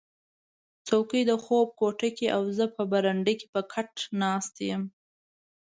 څوکی د خوب کوټه کې او زه په برنډه کې په کټ ناست یم